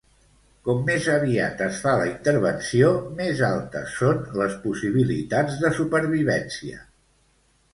Com més aviat es fa la intervenció, més altes són les possibilitats de supervivència.